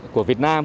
của việt nam